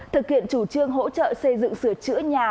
thực hiện chủ trương hỗ trợ xây dựng sửa chữa nhà